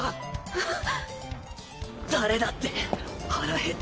⁉あっ。